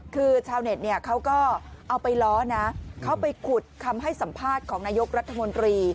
คือชาวเน็ตเนี่ยเขาก็เอาไปล้อนะเขาไปขุดคำให้สัมภาษณ์ของนายกรัฐมนตรี